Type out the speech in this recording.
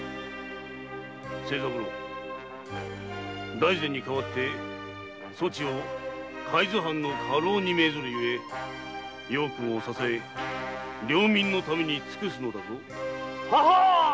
大膳に代わりそちを海津藩の家老に命ずるゆえ幼君を支え領民のために尽くすのだぞ。ははーっ。